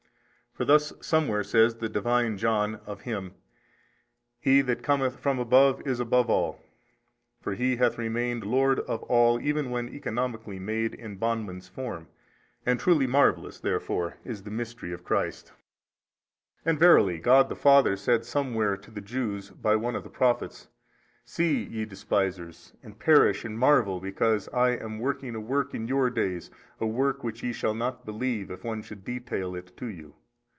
For thus somewhere says the Divine John of Him, He that cometh from above is above all. For He hath remained Lord of all even when economically made in bondman's form, and truly marvellous |249 therefore is the mystery of Christ. And verily God the Father said somewhere to the Jews by one of the Prophets, See ye despisers and perish and marvel because I am working a work in your days, a work which ye shall not believe if one should detail it to you.